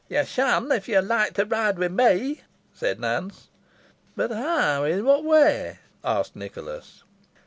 "Yo shan, if yo like to ride wi' me," said Nance. "But how in what way?" asked Nicholas.